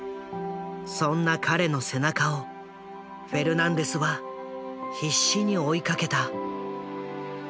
そんな彼の背中をフェルナンデスは必死に追いかけた。